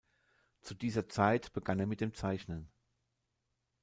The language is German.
Zu dieser Zeit begann er mit dem Zeichnen.